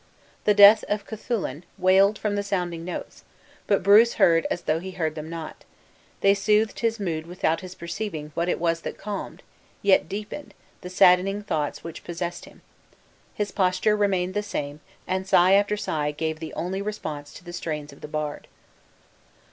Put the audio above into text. "The Death of Cathullin" wailed from the sounding notes; but Bruce heard as though he heard them not; they sooth his mood without his perceiving what it was that calmed, yet deepened, the saddening thoughts which possessed him. His posture remained the same; and sigh after sigh gave the only response to the strains of the bard.